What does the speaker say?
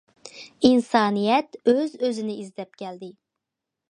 ئىنسانىيەت ئۆز- ئۆزىنى ئىزدەپ كەلدى.